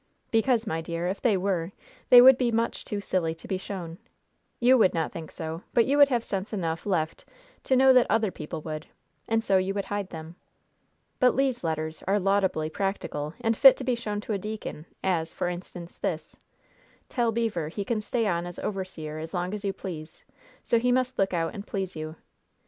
"Because, my dear, if they were, they would be much too silly to be shown. You would not think so; but you would have sense enough left to know that other people would; and so you would hide them. But Le's letters are laudably practical and fit to be shown to a deacon, as, for instance, this: "'Tell Beever he can stay on as overseer as long as you please; so he must look out and please you.